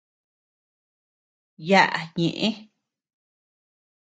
Yaʼa ñeʼe.